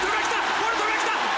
ボルトが来た！